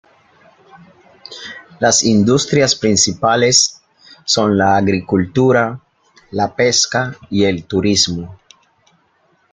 Las industrias principales son la agricultura, la pesca y el turismo.